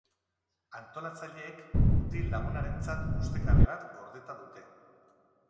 Antolatzaileek mutil-lagunarentzat ustekabe bat gordeta dute.